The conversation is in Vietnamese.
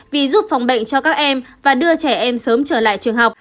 vì giúp phòng bệnh cho các em và đưa trẻ em sớm trở lại trường học